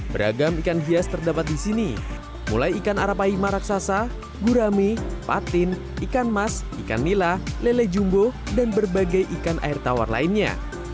beragam ikan hias terdapat di sini mulai ikan arapaima raksasa gurami patin ikan mas ikan nila lele jumbo dan berbagai ikan air tawar lainnya